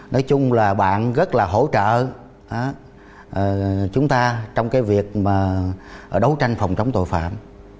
nói chung là bạn rất là hỗ trợ chúng ta trong việc đấu tranh phòng chống tội phạm